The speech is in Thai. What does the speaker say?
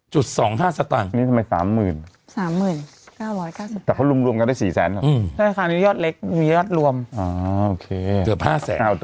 จุด๒๕สตังค์แต่พอรุมรวมกันได้๔แสนหรือเปล่าอ๋อโอเคเกือบ๕แสน